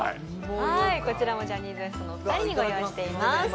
こちらもジャニーズＷＥＳＴの２人にご用意しています。